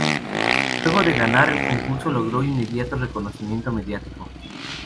Luego de ganar el concurso, logró inmediato reconocimiento mediático.